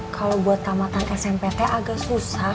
kalau buat tamatan smpt agak susah